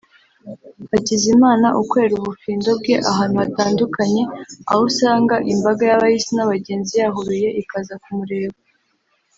Hakizimana ukorera ubufindo bwe ahantu hatandukanye aho usanga imbaga y’abahisi n’abagenzi yahuruye ikaza kumureba